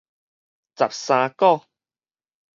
十三股